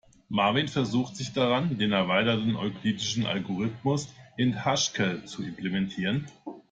Marvin versucht sich daran, den erweiterten euklidischen Algorithmus in Haskell zu implementieren.